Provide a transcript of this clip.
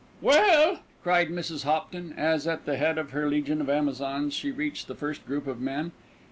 "Well!" cried Mrs. Hopton as, at the head of her legion of Amazons, she reached the first group of men.